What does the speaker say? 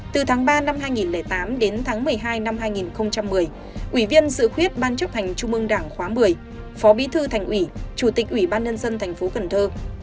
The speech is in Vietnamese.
từ tháng ba năm hai nghìn tám đến tháng một mươi hai năm hai nghìn một mươi ủy viên dự khuyết ban chấp hành trung mương đảng khóa một mươi phó bí thư thành ủy chủ tịch ủy ban nhân dân thành phố cần thơ